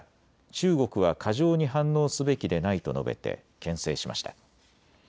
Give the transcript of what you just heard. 中国は過剰に反応すべきでないと述べてけん制しました。